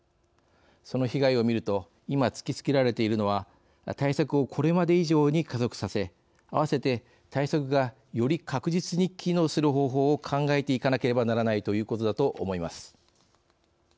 その被害を見ると今、突きつけられているのは対策をこれまで以上に加速させあわせて、対策がより確実に機能する方法を考えていかなければならないということだと思います。